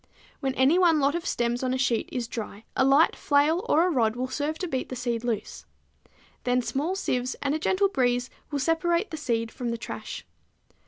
When any one lot of stems on a sheet is dry a light flail or a rod will serve to beat the seed loose. Then small sieves and a gentle breeze will separate the seed from the trash.